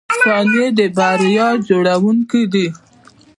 • ثانیې د بریا جوړونکي دي.